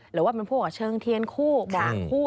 หรือว่าเป็นพวกเชิงเทียนคู่บอกคู่